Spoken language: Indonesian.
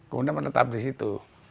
kemudian menetap di situ